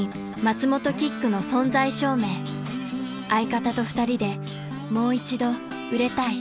［相方と２人でもう一度売れたい］